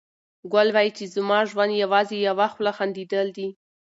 ګل وايي چې زما ژوند یوازې یوه خوله خندېدل دي.